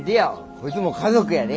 こいつも家族やで。